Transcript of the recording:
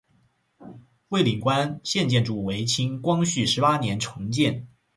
蔚岭关现建筑为清光绪十八年重建。